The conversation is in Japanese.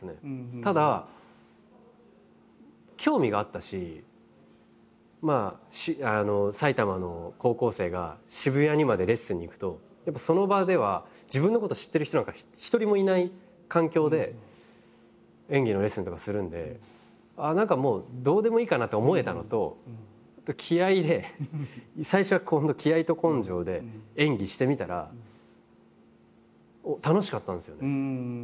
ただ興味があったし埼玉の高校生が渋谷にまでレッスンに行くとやっぱその場では自分のこと知ってる人なんか一人もいない環境で演技のレッスンとかするんでああ何かもうどうでもいいかなと思えたのと気合いで最初は気合いと根性で演技してみたら楽しかったんですよね。